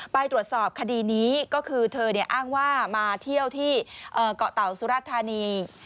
ไปตรวจสอบคดีนี้ก็คือเธออ้างว่ามาเที่ยวที่เกาะเต่าสุรธานี